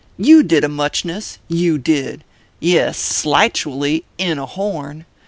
You did a muchness you did ! Yes slightually in a horn.